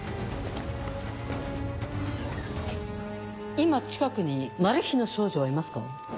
今近くにマルヒの少女はいますか？